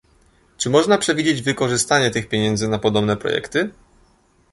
Czy można przewidzieć wykorzystanie tych pieniędzy na podobne projekty?